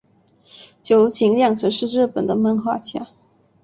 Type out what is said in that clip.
九井谅子是日本的漫画家。